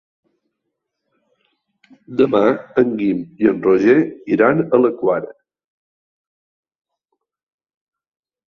Demà en Guim i en Roger iran a la Quar.